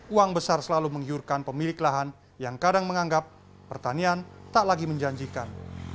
uang besar selalu menggiurkan pemilik lahan yang kadang menganggap pertanian tak lagi menjanjikan